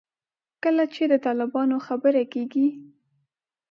کله چې د طالبانو خبره کېږي.